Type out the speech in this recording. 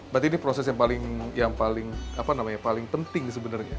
berarti ini proses yang paling yang paling apa namanya paling penting sebenarnya